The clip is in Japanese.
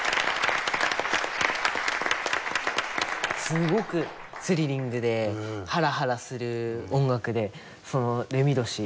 すごくスリリングでハラハラする音楽でその「レミドシ」。